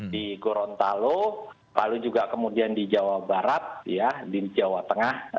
di gorontalo lalu juga kemudian di jawa barat ya di jawa tengah